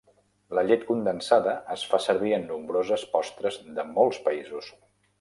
La llet condensada es fa servir en nombroses postres de molts països.